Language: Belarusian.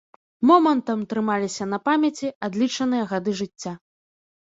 Момантам трымаліся на памяці адлічаныя гады жыцця.